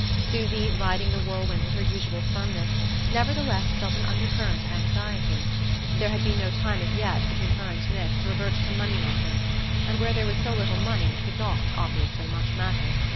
Susy, riding the whirlwind with her usual firmness, nevertheless felt an undercurrent of anxiety. There had been no time as yet, between her and Nick, to revert to money matters; and where there was so little money it could not, obviously, much matter.